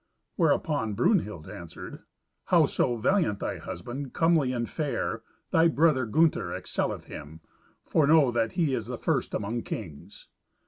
Whereupon Brunhild answered, "Howso valiant thy husband, comely and fair, thy brother Gunther excelleth him, for know that he is the first among kings."